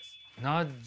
ナッジ？